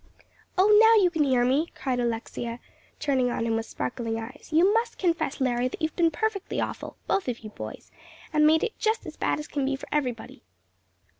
"Oh, now you can hear me," cried Alexia, turning on him with sparkling eyes; "you must confess, Larry, that you've been perfectly awful, both of you boys, and made it just as bad as can be for everybody."